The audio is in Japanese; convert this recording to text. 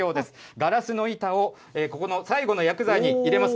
ガラスの板をここの最後の薬剤に入れます。